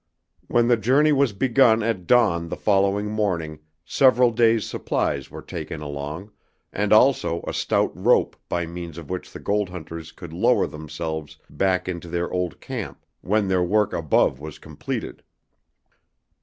When the journey was begun at dawn the following morning several days' supplies were taken along, and also a stout rope by means of which the gold hunters could lower themselves back into their old camp when their work above was completed.